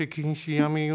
やめよう